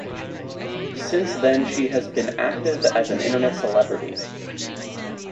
Since then she has been active as an internet celebrity.